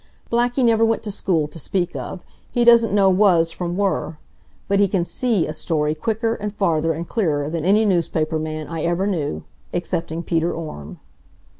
Blackie never went to school to speak of. He doesn't know was from were. But he can "see" a story quicker, and farther and clearer than any newspaper man I ever knew excepting Peter Orme.